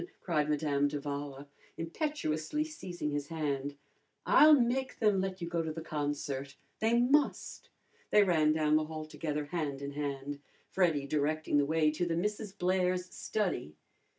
cried Madame d'Avala, impetuously seizing his hand. "I'll make them let you go to the concert. They must!" They ran down the hall together hand in hand, Freddy directing the way to the Misses Blair's study.